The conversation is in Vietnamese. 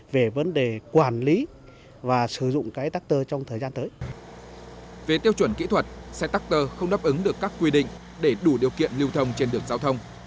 về tiêu chuẩn kỹ thuật xe tắc tơ không đáp ứng được các quy định để đủ điều kiện lưu thông trên đường giao thông